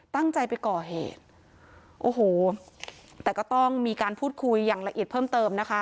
ตั้งใจไปก่อเหตุโอ้โหแต่ก็ต้องมีการพูดคุยอย่างละเอียดเพิ่มเติมนะคะ